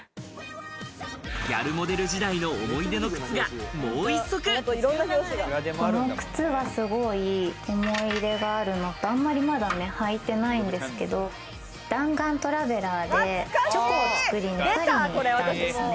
ギャルモデル時代の思い出のこの靴はすごい思い出があるのとあまり、まだ履いてないんですけど、『弾丸トラベラー』でチョコを作りにパリに行ったんですね。